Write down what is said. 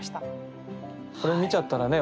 これ見ちゃったらね